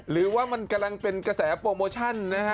หรือว่ามันกำลังเป็นกระแสโปรโมชั่นนะฮะ